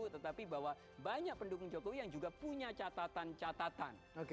tetapi bahwa banyak pendukung jokowi yang juga punya catatan catatan